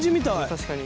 確かに。